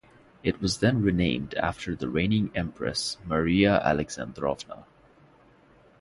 It was then renamed after the reigning Empress Maria Alexandrovna.